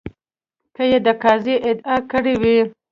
که یې د قاضي ادعا کړې وي.